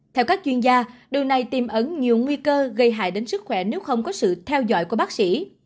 theo các chuyên gia điều này tìm ẩn nhiều nguy cơ gây hại đến sức khỏe nếu không có sự theo dõi của bác sĩ